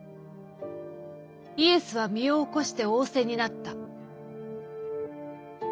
イエスは身を起こして仰せになった」。